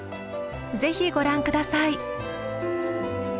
ぜひご覧下さい。